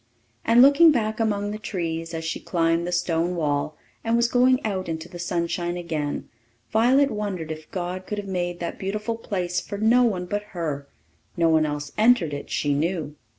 And looking back among the trees, as she climbed the stone wall and was going out into the sunshine again, Violet wondered if God could have made that beautiful place for no one but her; no one else entered it, she knew.